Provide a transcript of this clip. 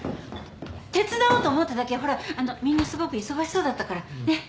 手伝おうと思っただけよほらあのみんなすごく忙しそうだったからねっ。